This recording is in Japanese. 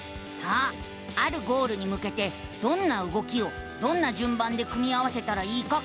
あるゴールにむけてどんな動きをどんなじゅんばんで組み合わせたらいいか考える。